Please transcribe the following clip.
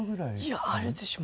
いやあるでしょ